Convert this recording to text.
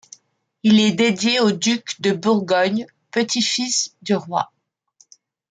Il est dédié au duc de Bourgogne, petit-fils du roi.